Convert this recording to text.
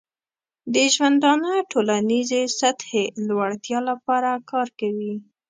د ژوندانه ټولنیزې سطحې لوړتیا لپاره کار کوي.